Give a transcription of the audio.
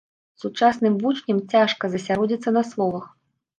Сучасным вучням цяжка засяродзіцца на словах.